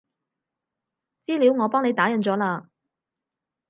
資料我幫你打印咗喇